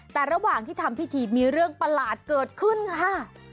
แต่ระหว่างที่ทำพิธีมีเรื่องประหลาดเกิดขึ้นค่ะ